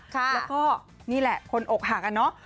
แล้วก็นี่แหละคนอกหักอะเนาะ